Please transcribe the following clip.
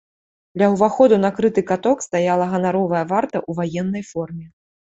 Ля ўваходу на крыты каток стаяла ганаровая варта ў ваеннай форме.